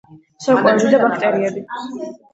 სოკოები და ბაქტერიები.